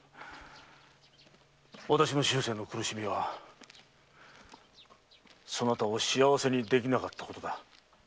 私の終生の苦しみはそなたを幸せにできなかったことだ。